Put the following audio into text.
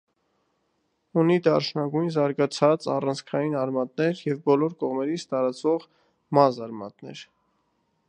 Ունի դարչնագույն, զարգացած առանցքային արմատներ և բոլոր կողմերից տարածող մազարմատներ։